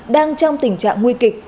đang trong tình trạng nguy kịch